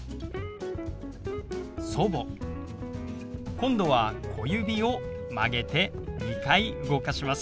今度は小指を曲げて２回動かします。